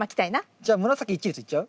じゃあ紫１列いっちゃう？